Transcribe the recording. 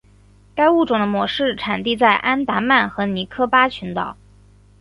该物种的模式产地在安达曼和尼科巴群岛。